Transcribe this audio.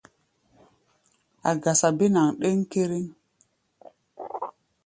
A̧ gasa bénaŋ ɗéŋkéréŋ.